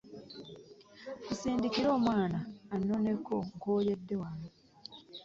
Nsindikira omwana annoneko nkooyedde wano.